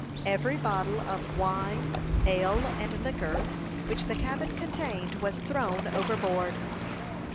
Every bottle of wine, ale, and liquor which the cabin contained was thrown overboard.